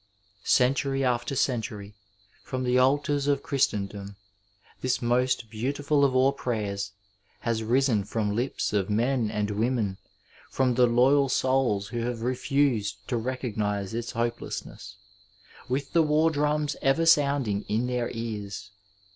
Century after century from the altars of Christen dom this most beautiful of all prayers has risen from lips of men and women, from the loyal souls who have refused to recognize its hopelessness, with the war drums ever sounding in their ears.